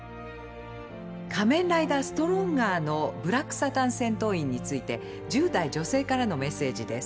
「仮面ライダーストロンガー」のブラックサタン戦闘員について１０代女性からのメッセージです。